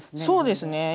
そうですね。